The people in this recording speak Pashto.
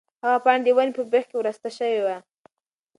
هغه پاڼه د ونې په بېخ کې ورسته شوې وه.